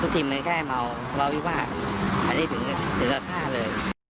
ทุกทีมันแค่เมาเพราะว่าอันนี้ถึงราคาเลย